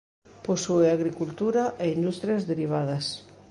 Posúe agricultura e industrias derivadas.